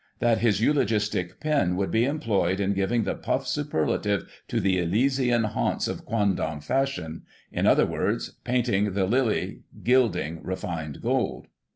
that his eulogistic pen would be employed in giving the puff superlative to the Elysian haunts of quondam fashion — in other words — ^painting the lily gilding refined gold?